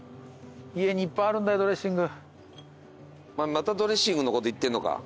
またドレッシングのこと言ってんのか。